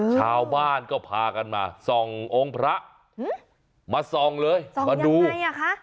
ชาวบ้านก็พากันมาส่ององค์พระอืมมาส่องเลยส่องมาดูนี่อ่ะคะ